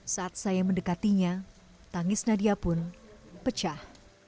saat saya mendekatinya tangis nadia pun pecah